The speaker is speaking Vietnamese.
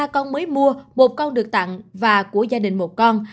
một mươi ba con mới mua một con được tặng và của gia đình một con